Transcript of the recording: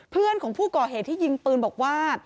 เพื่อนของผู้ก่อเหตุที่ยิงปืนบอกว่า